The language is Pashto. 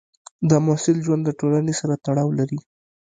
د محصل ژوند د ټولنې سره تړاو لري.